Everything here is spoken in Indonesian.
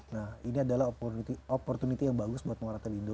nah ini adalah opportunity yang bagus buat mora telido